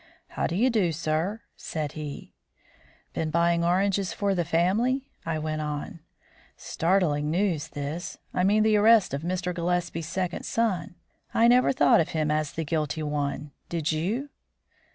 "How do you do, sir?" said he. "Been buying oranges for the family?" I went on. "Startling news, this! I mean the arrest of Mr. Gillespie's second son. I never thought of him as the guilty one, did you?"